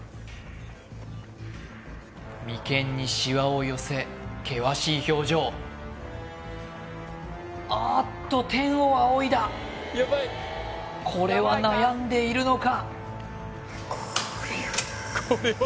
眉間にシワを寄せ険しい表情ああっと天を仰いだこれは悩んでいるのか